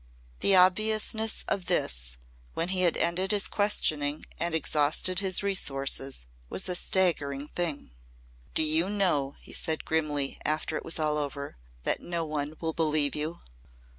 The obviousness of this, when he had ended his questioning and exhausted his resources, was a staggering thing. "Do you know," he said grimly, after it was all over, " that no one will believe you?"